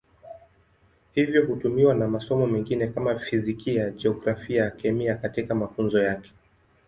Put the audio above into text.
Hivyo hutumiwa na masomo mengine kama Fizikia, Jiografia, Kemia katika mafunzo yake.